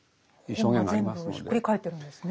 本が全部ひっくり返ってるんですね。